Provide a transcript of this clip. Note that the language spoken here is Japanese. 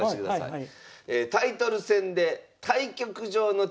はい。